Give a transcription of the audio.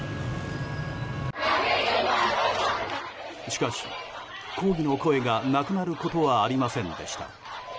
しかし抗議の声がなくなることはありませんでした。